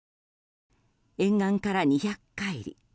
沿岸から２００カイリ